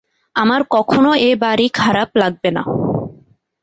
আমার কখনো এ বাড়ি খারাপ লাগবে না।